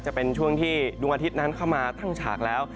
จะเป็นช่วงที่ดวงอาทิตย์นั้นเข้ามาตั้งฉากแล้ว